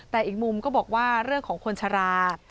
แต่อีกมุมก็บอกว่าเรื่องของคนชะลา